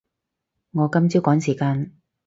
我今朝趕時間